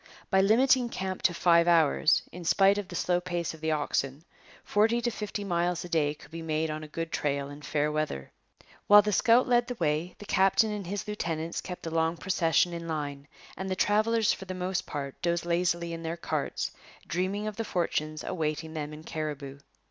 By limiting camp to five hours, in spite of the slow pace of the oxen, forty to fifty miles a day could be made on a good trail in fair weather. While the scout led the way, the captain and his lieutenants kept the long procession in line; and the travellers for the most part dozed lazily in their carts, dreaming of the fortunes awaiting them in Cariboo.